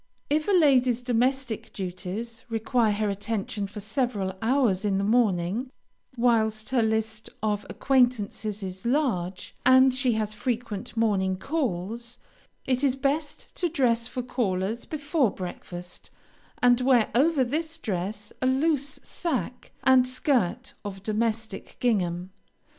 If a lady's domestic duties require her attention for several hours in the morning, whilst her list of acquaintances is large, and she has frequent morning calls, it is best to dress for callers before breakfast, and wear over this dress a loose sack and skirt of domestic gingham.